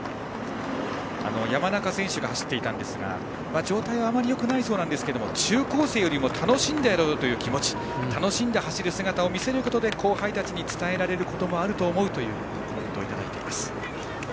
山中選手が走っていたんですが状態はあまりよくないそうですが中高生よりも楽しんでやろうという気持ち楽しんで走る姿を見せることで後輩たちに伝えられることもあるというコメントをいただいています。